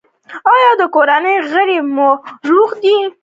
ایا د کورنۍ غړي مو روغ دي؟